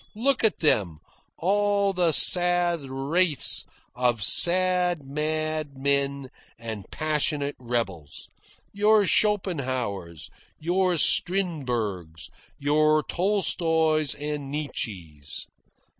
Look at them, all the sad wraiths of sad mad men and passionate rebels your Schopenhauers, your Strindbergs, your Tolstois and Nietzsches.